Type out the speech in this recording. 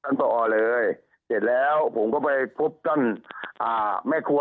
จนพ่อออก่อนเลยเสร็จแล้วผมก็ไปฟุบจนอ่าแม่ครัว